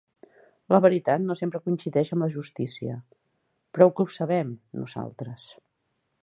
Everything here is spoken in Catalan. La veritat no sempre coincideix amb la justícia; prou que ho sabem, nosaltres.